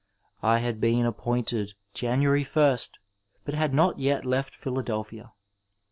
I had been appointed January 1st, but had not yet left Philadelphia.